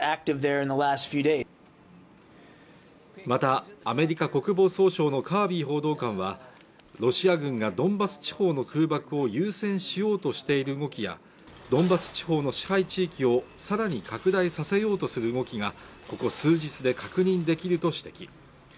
またアメリカ国防総省のカービー報道官はロシア軍がドンバス地方の空爆を優先しようとしている動きやドンバス地方の支配地域をさらに拡大させようとする動きがここ数日で確認できると指摘